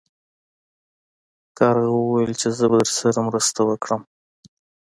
کارغې وویل چې زه به درسره مرسته وکړم.